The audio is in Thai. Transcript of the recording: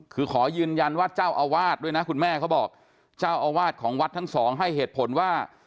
คือขอยืนยันว่าเจ้าอาวาสด้วยนะคุณแม่เขาบอกเจ้าอาวาสของวัดทั้งสองให้เหตุผลว่า